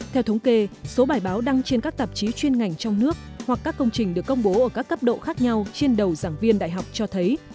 theo thống kê số bài báo đăng trên các tạp chí chuyên ngành trong nước hoặc các công trình được công bố ở các cấp độ khác nhau trên đầu giảng viên đại học cho thấy